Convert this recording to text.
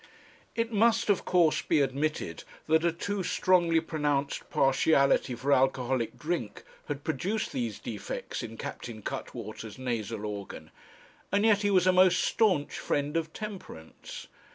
It must, of course, be admitted that a too strongly pronounced partiality for alcoholic drink had produced these defects in Captain Cuttwater's nasal organ; and yet he was a most staunch friend of temperance.